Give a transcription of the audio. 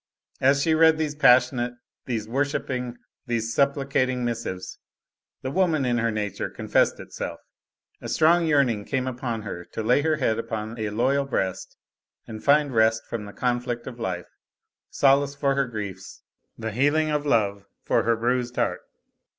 As she read these passionate, these worshiping, these supplicating missives, the woman in her nature confessed itself; a strong yearning came upon her to lay her head upon a loyal breast and find rest from the conflict of life, solace for her griefs, the healing of love for her bruised heart.